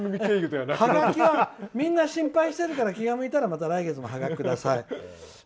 ハガキはみんな心配しているから気が向いたらまた来月もハガキをください。